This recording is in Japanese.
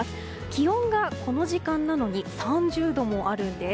気温が、この時間なのに３０度もあるんです。